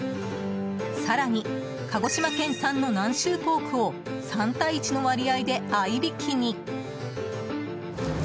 更に鹿児島県産の南州ポークを３対１の割合で、合いびきに。